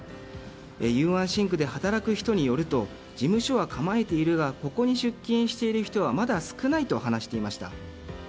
雄安新区で働く人によると事務所は構えているがここに出勤している人はまだ少ないと話していました。